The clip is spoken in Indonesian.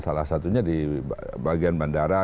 salah satunya di bagian bandara